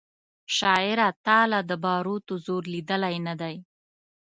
شاعره تا لا د باروتو زور لیدلی نه دی